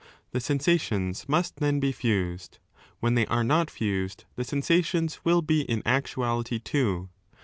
The sensations must then be fused. When they are cot fused, the sensations will be in actuality two.